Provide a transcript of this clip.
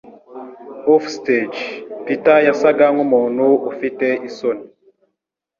Offstage, Peter yasaga nkumuntu ufite isoni